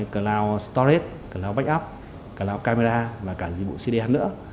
cloud storage cloud backup cloud camera và cả dịch vụ cdn nữa